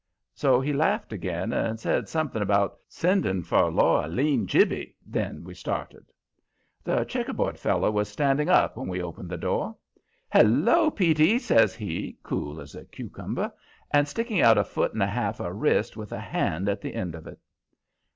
So he laughed again, and said somethin' about sending for Laura Lean Jibbey, and then we started. The checkerboard feller was standing up when we opened the door. "Hello, Petey!" says he, cool as a cucumber, and sticking out a foot and a half of wrist with a hand at the end of it.